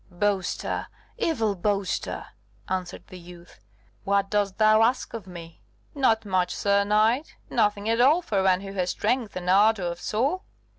"Boaster, evil boaster!" answered the youth; "what dost thou ask of me?" "Not much, sir knight; nothing at all for one who has strength and ardour of soul.